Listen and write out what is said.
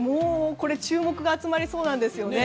注目が集まりそうなんですよね。